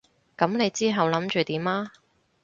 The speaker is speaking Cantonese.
噉你之後諗住點啊？